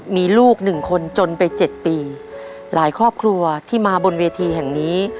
มีลูกหนึ่งคนจนไปเจ็ดปีหลายครอบครัวที่มาบนเวทีแห่งนี้